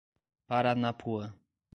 Paranapuã